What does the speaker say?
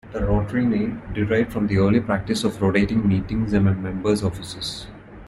The Rotary name derived from the early practice of rotating meetings among members' offices.